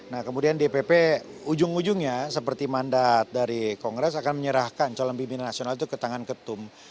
nah kemudian dpp ujung ujungnya seperti mandat dari kongres akan menyerahkan calon pimpinan nasional itu ke tangan ketum